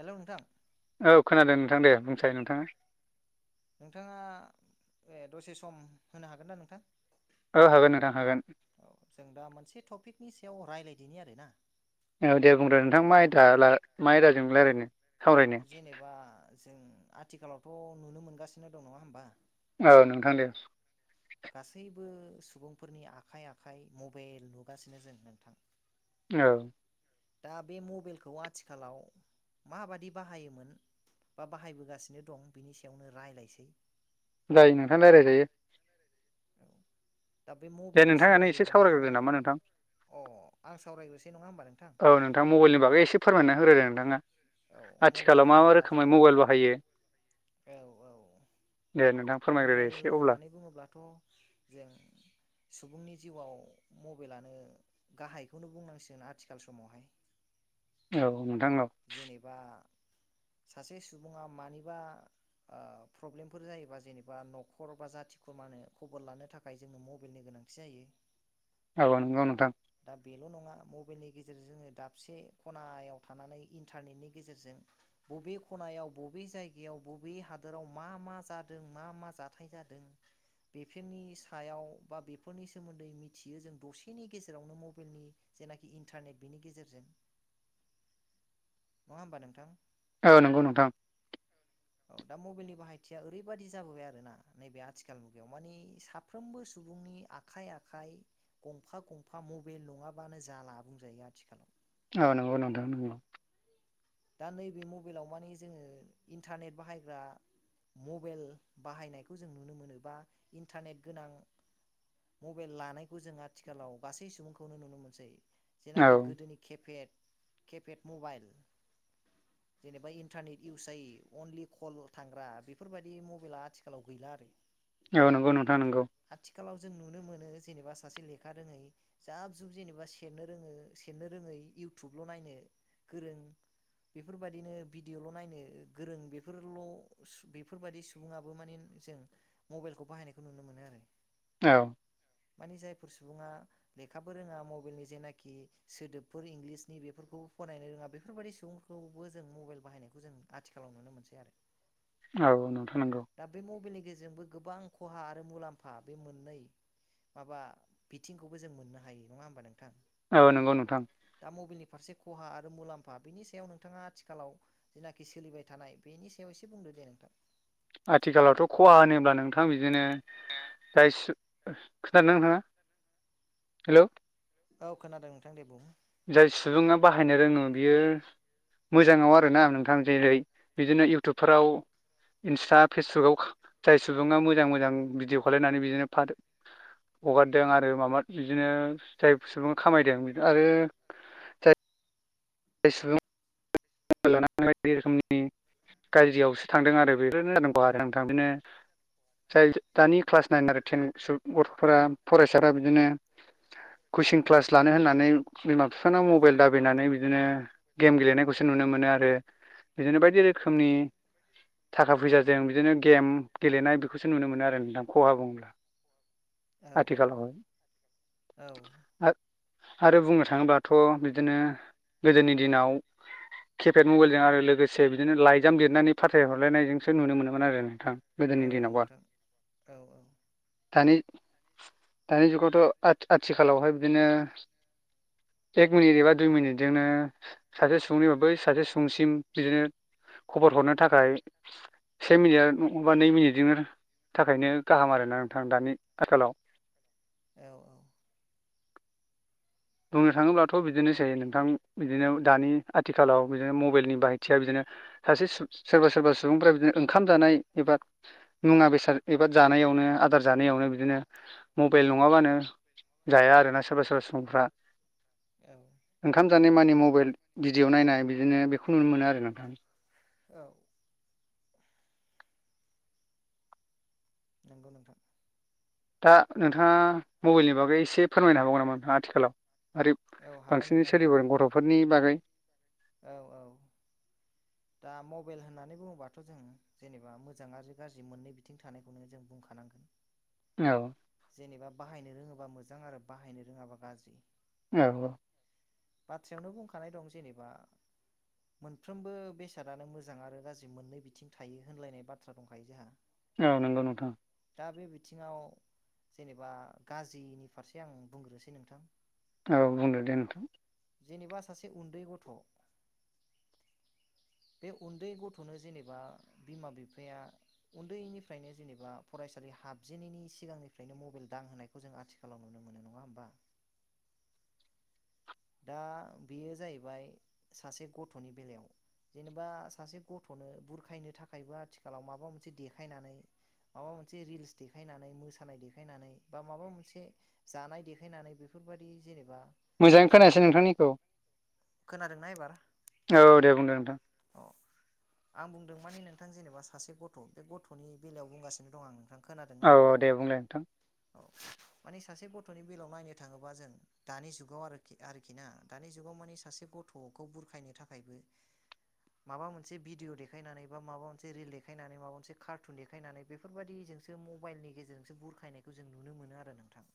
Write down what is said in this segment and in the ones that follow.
हेलै नोंथां। औ खोनादों नोंथां दे बुंसाय नोंथाङा। नोंथाङा ए दसे सम होनो हागोन ना नोंथां? ओ हागोन नोंथां हागोन। नि सायाव रायलायदिनि आरो ना। औ दे बुंदो नोंथां मा आयदा ला मा आयदाजों रायलायनो? सावरायनो जेनेबा जों आथिखालावथ' नुनो मोनगासिनो दं नङा होमबा? ओ नोंथां दे गासैबो सुबुंफोरनि आखाइ आखाइ मबेल नुगासिनो जों नोंथां। औ। दा बे मबेलखौ आथिखालाव माबादि बाहायोमोन बा बाहायबोगासिनो दं बिनि सायावनो रायलायसै जायो नोंथां रायलायजायो दा बे दे मबेलनि नोंथाङानो सोमोन्दै एसे सावरायग्रोदो नोंथाङा नामा नोंथां अ आं सावरायग्रो औ नोंथां मबाइलनि बागै एसे फोरमायना होग्रोदो नोंथाङा। औ मबाइल आथिखालाव मा मा होनोब्लाथ' रोखोमै मबाइल बाहायो औ औ दे नोंथां फोरमायग्रोदो मबाइल एसे अब्ला होननानै बुङोब्लाथ' जों सुबुंनि जिउआव मबाइलआनो गाहायखौनो बुंनांसिगोन आथिखाल समावहाय। औ नोंथां औ। जेनेबा सासे सुबुङा मानिबा ओ प्रब्लेमफोर जायोबा जेनेबा न'खर बा जाथि खुरमानो खबर लानो थाखाय जोंनो मबेलनि गोनां थि जायो औ नंगौ नोंथां। दा बेल' नङा मबेलनि गेजेरजों जोङो दाबसे खनायाव थानानै इन्टारनेटनि गेजेरजों बबे खनायाव बबे जायगायाव बबे हादोराव मा -मा जा दों मा मा जाथाय जादों बेफोरनि सायाव बा बेफोरनि सोमोन्दै मिथियो जों दसेनि गेजेरावनो मबेलनि जेनाखि इन्टारनेट बेनि गेजेरजों नङा होमबा नोंथां? औ नंगौ नोंथां औ दा मबाइलनि बाहायथिया ओरैबाददि जाबोबाय आरो ना नैबे आथिखाल मुगायाव माने साफ्रोमबो सु बुंनि आखाइ आखाइ गंफा गंफा मबाइल नङाबानो जाला बुंजायो आथिखालाव। औ नंगौ नंथां नंगौ। दा नैबे मबाइलाव माने जोङो इन्टारनेट बाहायग्रा मबाइल बाहायनायखौ जों नुनो मोनो बा इन्टारनेट गोनां मबाइल लानायखौ जों आथिखालाव गासै सुबुंखौनो नुनो मोनसै। औ जेनाखि गोदोनि केपेड केपेड मबाइल जेनेबा इन्टारनेट इउस जायो अनलि कल ल' थांग्रा बेफोरबायदि मबेला आथिखालाव गैला आरो। औ नंगौ नोंथां नोंगौ आथिखालाव जों नुनो मोनो जेनेबा सासे लेखा रोङै जाब जुब जेनेबा सेरनो रोङो सेरनो रोङै इउटुबल' नायनो गोरों बेफोरबादिनो भिडिअ'ल' नायनो गोरों बेफोरल' बेफोरबायादि सुबुङाबो माने जों मबाइलखौ बाहायनायखौ नुनो मोनो आरो। औ माने जायफोर सुबुङा लेखाबो रोङा मबाइलनि जेनाखि सोदोबफोर इंग्लिसनि बेफोरखौ फरायनायनो रोङा बेफोरबायदि सुबुंफोरखौबो जों मबाइल बाहायनायखौ जों आथिखालाव नुनो मोनसै आरो। औ नोंथां नोंगौ। गेजोंबो गोबां खहा आरो मुलाम्फा बे मोननै माबा बिथिंखौबो जों मोननो हायो नङा होमबा नोंथां? औ नंगौ नोंथां। दा मबाइलनि फारसे खहा आरो मुलामफा बिनि सायाव नों थाङा आथिखालाव जेनाखि सोलिबाय थानाय बेनि सायाव एसे बुंदो दे नोंथां। आथिखालावथ' खहा होनोब्ला नोंथां बिदिनो जाय सु खोनादों ना नोंथाङा हेल'। औ खोनादों नोंथां दे बुं। जाय सुबुङा बाहायनो रोङो बियो मोजाङाव आरोना नोंथां जेरै बिदिनो इउटुबफोराव इन्सट्रा फेसबुकआव खा जाय सुबुङा मोजां मोजां भिडिअ' खालायनानै बिदिनो [inaudible] हगारदों आरो माबा बिदिनो जाय सुबुं खामायदों आरो [inaudible] सुबुं बायदि रोखोमनि गाज्रियावसो थांदों आरो बेफोरनो जानांगौ आरोना नोंथां बेदिनो जाय दानि क्लास नाइन आरो टेन गथ'फोरा फरायसाफ्रा बिदिनो कचिं क्लास लानो होननानै बिमा बिफाना मबाइल दाबायनानै बिदिनो गेम गेलेनायखौसो नुनो मोनो आरो बिदिनो बायदि रोखोमनि थाखा फैसाजों बिदिनो गेम गेलेनाय बेखौसो नुनो मोनो आरो नोंथां खहा बुङोब्ला। औ औ आथिखालावहाय औ आ आरो बुंनो थाङोब्लाथ बिदिनो गोदोनि दिनाव [inaudible] किपेड मबाइलजों आरो लोगोसे बिदिनो लाइजाम लिरनानै फाथायहरलायनायजोंसो नुनो मोनोमोन आरो नोंथां। नुनो मोनोमोन गोदोनि आरो। औ दिनावबा नोंथां औ दानि दानि जुगावथ आ आथिखालावहाय बिदिनो एक मिनिट एबा दुइ मिनिटजोंनो सासे सुबुंनिफाय बै सासे सुबुंसिम बिदिनो खबर हरनो थाखाय से मिनिट बा नै मिनिटजोंनो थाखायनो गाहाम आरोना नोंथां दानि आखालाव औ बुंनो थाङोब्लाथ बिदिनोसै नोंथां बिदिनो दानि आथिखालाव बिदिनो मबाइलनि बाहायथिया बिदिनो सासे सोरबा सोरबा सुबुंफोरा बिदिनो ओंखाम जानाय एबा मुवा बेसाद एबा जानाय यावनो आदार जानायावनो बिदिनो मबाइल नङाबानो जाया आरोना सोरबा सोरबा सुबुंफ्रा औ ओंखाम जानाय मानि मबाइल भिडिअ नायनाय बिदिनो बेखौ नुनो मोनो आरो नोंथां। औ नंगौ नोंथां। दा नोंथाङा मबाइलनि बागै एसे फोरमायनो हाबावगोन नामा नोंथाङा आथिखालाव? आरो औ हागोन बांसिनै नोंथां हागोन सोलिबोनाय गथफोरनि बागै। औ औ दा मबाइल होननानै बुङोबाथ जों जेनेबा मोजां आरो गाज्रि मोननै बिथिं थानायखौनो जों बुंखानांगोन। औ जेनेबा बाहायनो रोङोबा मोजां आरो बाहायनो रोङाबा गाज्रि। औ औ बाथ्रायावनो बुंखानाय दं जेनेबा मोनफ्रोमबो बेसादानो मोजां आरो गाज्रि मोननै बिथिं थायो होनलायनाय बाथ्रा दंखायो जोंहा। औ नंगौ नोंथां। दा बे बिथिङाव जेनेबा गाज्रिनि फारसे आं बुंग्रोसै नोंथां। औ बुंदो दे नोंथां। जेनेबा सासे उन्दै गथ बे उन्दै गथनो जेनेबा बिमा बिफाया उन्दैनिफ्रायनो जेनेबा फरायसालि हाबजेनैनि सिगांनिफ्रायनो मबाइल दां होनायखौ जों आथिखालाव नुनो मोनो नङा होमबा? [inaudible] दा बेयो जाहैबाय सासे गथनि बेलायाव जेनेबा सासे गथनो बुरखायनो थाखायबो आथिखालाव माबा मोनसे देखायनानै। माबा मोनसे रिल्स देखायनानै मोसानाय देखायनानै बा माबा मोनसे जानाय देखायनानै बेफोर। फोरबायदि जेनेबा मोजाङै जों खोनायासै गथ' नोंथांनिखौ। खोनादोंना एबार औ दे बुंदो नोंथां अ आं बुंदों मानि नों नोंथां जेनेबा सासे गथ बे गथनि बेलायाव बुंगासिनो दं आं नोंथां खोनादोंना औ औ दे बुंलाय नोंथां औ मानिे सासे गथनि बेलायाव नायनो थाङोबा जों दानि जुगाव आरो आरोखि ना दानि जुगाव मानिे सासे गथखौ बुरखायनो थाखायबो माबा मोनसे भिडिअ देखायनानै बा माबा मोनसे रिल देखायनानै माबा मोनसे कार्टुन देखायनानै बेफोरबायदि जों सो मबाइलनि गेजेरजोंसो बुरखायनायखौ जों नुनो मोनो आरो नोंथां।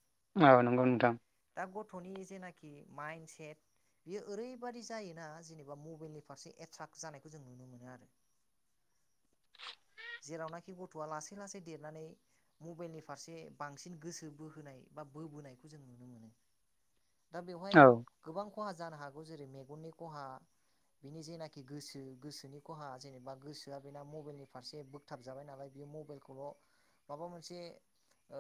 औ नोंगौ नोंथां। दा गथनि जेनाखि माइन्द सेट बेयो ओरैबादि जायोना जेनेबा मबाइलनि फारसे एट्राक जानायखौ जों नुनो मोनो आरो जेरावनाखि गथआ लासै-लासै देरनानै मबाइलनि फारसे बांसिन गोसो बोहोनाय बा बोबोनायखौ जों नुनो मोनो। दा बेवहाय औ गोबां खहा जानो हागौ जेरै मेगननि खहा, बिनि जेनाखि गोसो गोसोनि खहा, जेनेबा गोसोआ बेना मबाइलनि फारसे बोगथाब जाबाय नालाय बे मबाइलखौल' माबा मोनसे ओ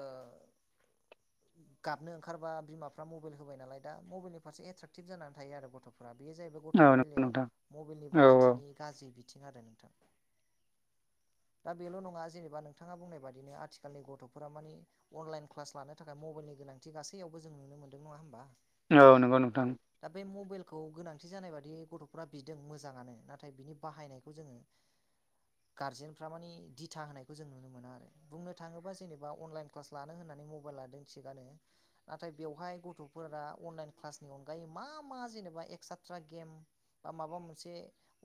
गाबनो ओंखारबा बिमाफ्रा मबाइल होबाय नालाय दा मबाइलनि फारसे एट्राेकटिभ जानानै थायो आरो गथ'फोरा। बेयो जाहैबाय औ गथ'नि नंगौ बेलायाव नोंथां मबाइलनि औ बाहायथिनि गाज्रि बिथिं आरो नोंथां। [inaudible] दा बेल' नङा जेनेबा नोंथाङा बुंनाय बादिनो आथिखालनि गथ'फोरा माने अनलाइन क्लास लानो थाखाय मबाइलनि गोनांथि गासैयावबो जों नुनो मोनदों नङा होमबा? औ नोंगौ नोंथां। मबाइेल खौ गोनांथि जानाय बादि गथ'फोरा बिदों मोजाङानो नाथाय बिनि बाहायनायखौ जोङो गारजेनफ्रा माने दिथा होनायखौ जों नुनो मोनो आरो बुंनो थाङोबा जेनेबा अनलाइन क्लास लानो होनना नै मबाइल लादों थिगानो नाथाय बेवहाय गथ'फोरा अनलाइन क्लासनि अनगायै मा मा जेनेबा एक्सेट्रा गेम बा माबा मोनसे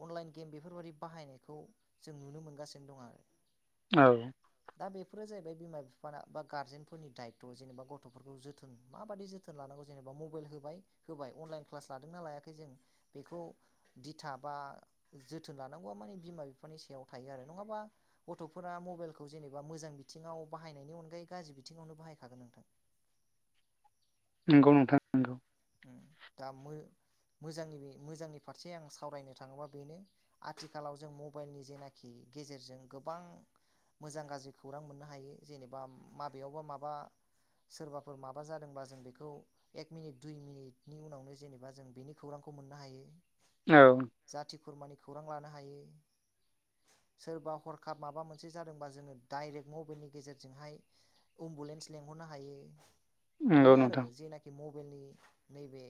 अनलाइन गेम बेफोरबादि बाहायनायखौ जों नुनो मोनगासिनो दं आरो। औ। दा बेफोरो जाहैबाय बिमा-बिफा बा गार्जेनफोरनि दायथ' जेनेबा गथ'फोरखौ जोथोन माबायदि जोथोन लानांगौ जेनेबा मबाइल होबाय होबाय अनलाइन क्लास लादोंना लायाखै जों बेखौ दिथा बा जोथोन लानांगौआ माने बिमा-बिफानि सायाव थायो आरो नङाबा गथ'फोरा मबाइलखौ जेनेबा मोजां मोजां बिथिङाव बाहायनायनि अनगायै गाज्रि बिथिङावनो बाहायखागोन नोंथां। नोंगौ नोंथां नोंगौ। ओम दा मो मोजांनि बे मोजांनि फारसे आं सावरायनो थाङोबा बेनो आथिखालाव जों मबाइलनि जेनाखि गेजेरजों गोबां मोजां गाज्रि खौरां मोननो हायो जेनेबा माबेयावबा माबा सोरबाफोर माबा जादोंबा जों बेखौ एक मिनिट दुइ मिनिटनि उनावनो जेनेबा जों बेनि खौरांखौ मोननो हायो। औ। फोरमानि खौरां लानो हायो। सोरबा हरखाब माबा मोनसे जादोंबा जोङो डाइरेक्ट मबाइलनि गेजेरजोंहाय उमबुलेन्स लेंंहर नो हायो। नंगौ बेनो आरो नोंथां जेनाखि मबाइलनि नैबे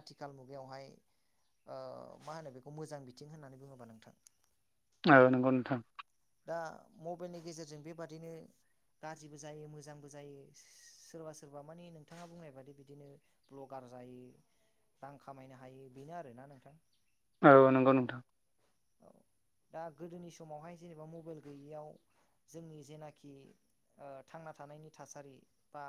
आथिखाल मुगायावहाय ओ मा होनो बेखौ मोजां बिथिं होननानै बुङोबा नोंथां। औ नोंगौ नोंथां। दा मबाइलनि गेजेरजों बेबादिनो गाज्रिबो जायो मोजांबो जायो सोरबा-सोरबा माने नोंथाङा बुंनाय बादि बिदिनो ब्लगार जायो रां खामायनो हायो बेनो आरोना नोंथां औ नोंगौ नोंथां। औ दा गोदोनि समावहाय जेनेबा मबाइल गैयियाव जोंनि जेनाखि ओ थांना थानायनि थासारि बा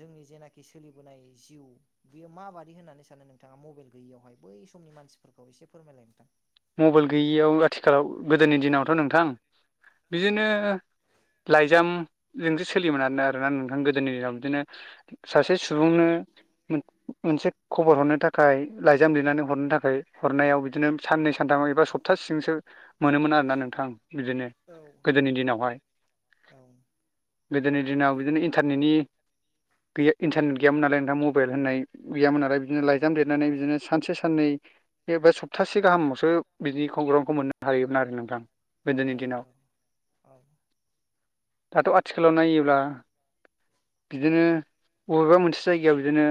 जोंनि जेनाखि सोलिबोनाय जिउ बियो माबादि होननानै सानो नोंथाङा मबाइल गैयियावहाय? बै समनि मानसिफोरखौ एसे फोरमायलाय नोंथां। मबाइल गैयियाव आथिखालाव गोदोनि दिनावथ' नोंथां बिदिनो लाइजामजोंसो सोलियोमोन आरोना नोंथां। गोदोनि दिनाव बिदिनो सासे सुबुंनो मोनसे खबर हरनो थाखाय लाइजाम लिरनानै हरनो थाखाय हरनायाव बिदिनो साननै सानथामा एबा सप्तासेजोंसो मोनोमोन आरोना नोंथां बिदिनो औ गोदोनि दिनावहाय। औ गोदोनि दिनाव बिदिनो इन्टारनेटनि गैया इन्टारनेट गैयामोन नालाय नोंथां मबाइल होननाय गैयामोन नालाय बिदिनो लाइजाम लेरनानै बिदिनो सानसे साननै सप्तासे गाहामावसो बिदिनि खौरांखौ मोननो हायोमोन आरो नोंथां, गोदोनि दिनाव औ औ औ दाथ' आथिखालाव नायोब्ला बिदिनो बबेबा मोनसे जायगायाव बिदिनो,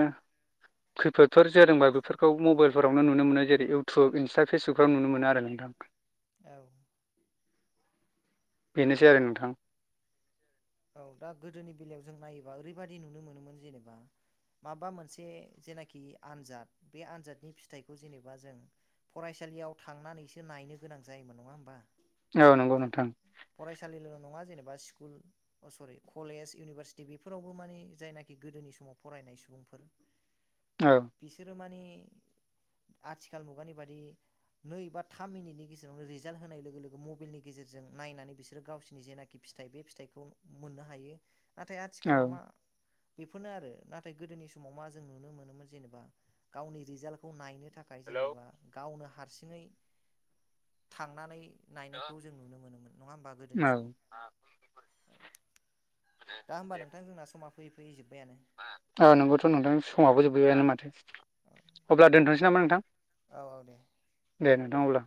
खैफोदफोर जादोंबा बेफोरखौ मबाइलफोरावनो नुनो मोनो। जेरै- इउटुब, इनस्टा फेसबुकफ्राव नुनो मोनो आरो नोंथां। औ बेनोसै आरो नोंथां, औ दा गोदोनि बेलायाव जों नायोबा ओरैबाददि नुनो मोनोमोन जेनेबा माबा मोनसे जेनाखि आनजाद बे आनजादनि फिथाइखौ जेनेबा जों फरायसालियाव थांनानैसो नायनो गोनां जायोमोन नङा होमबा, औ नंगौ नोंथां फरायसालिल' नङा जेनेबा स्कुल अ सरि कलेज, इउनिभारसिटि बेफोरावबो मानि जायनाखि गोदोनि समाव फरायनाय सुबुंफोर, औ बिसोरो मानि आथिखाल मुगानि बादि नै बा थाम मिनिटनि गेजेरावनो रिजाल्ट होनाय लोगो लोगो मबाइलनि गेजेरजों नायनानै बिसोर गावसिनि जेनाखि, फिथाइ बे फिथाइखौ मोननो हायो नाथाय आथिखालाव औ मा, बेफोरनो आरो नाथाय गोदोनि समाव मा जों नुनो मोनोमोन जेनेबा गावनि रिजाल्टखौ नायनो थाखाय हेलौ जेनेबा गावनो हारसिङै थांनानै नायनायखौ जों नुनो मोनोमोन नङा होमबा गोदोनि औ समाव? दा होमबा नोंथां जोंना समा फैयै फैयै जोबबायानो औ नोंगौथ' नोंथां समाबबो जोबबायानो माथो अब्ला दोनथ'नोसै नामा नोंथां, औ औ दे दे नोंथां अब्ला